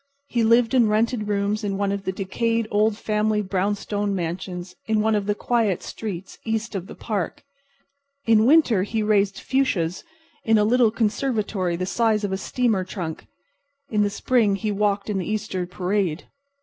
He lived in rented rooms in one of the decayed old family brownstone mansions in one of the quiet streets east of the park. In the winter he raised fuchsias in a little conservatory the size of a steamer trunk. In the spring he walked in the Easter parade.